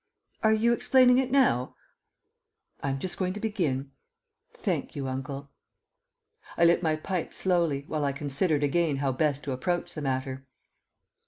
"Are you explaining it now?" "I'm just going to begin." "Thank you, Uncle." I lit my pipe slowly, while I considered again how best to approach the matter.